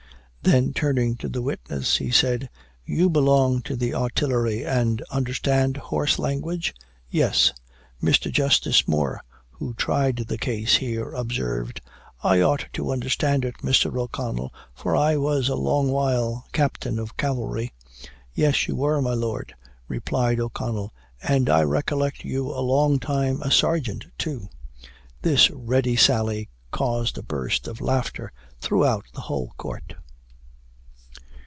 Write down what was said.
then turning to the witness, he said, "You belong to the Artillery and understand horse language?" "Yes." Mr. Justice Moore, who tried the case, here observed "I ought to understand it, Mr. O'Connell, for I was a long while Captain of cavalry." "Yes you were, my lord," replied O'Connell, "and I recollect you a long time a Sergeant, too." This ready sally caused a burst of laughter throughout the whole court.